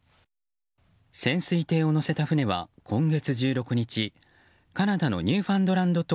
潜水艇を載せた船は今月１６日カナダのニューファンドランド島